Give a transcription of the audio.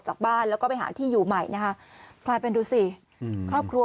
จากบ้านแล้วก็ไปหาที่อยู่ใหม่นะคะกลายเป็นดูสิอืมครอบครัว